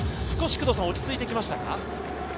少し落ち着いてきましたか？